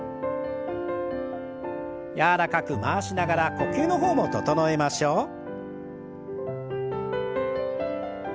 柔らかく回しながら呼吸の方も整えましょう。